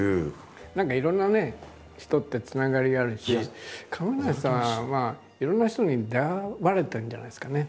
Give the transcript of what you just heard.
何かいろんなね人ってつながりがあるし亀梨さんはいろんな人に出会われてるんじゃないですかね。